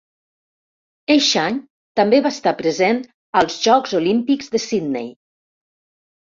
Eixe any també va estar present als Jocs Olímpics de Sydney.